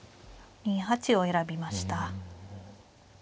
２八を選びました。